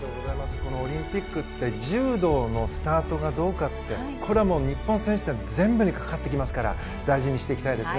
このオリンピックって柔道のスタートがどうかってこれはもう日本選手団全部にかかってきますから大事にしていきたいですね。